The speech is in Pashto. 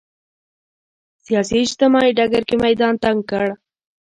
سیاسي اجتماعي ډګر کې میدان تنګ کړ